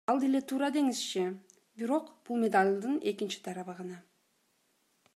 Ал деле туура деңизчи, бирок бул медалдын экинчи тарабы гана.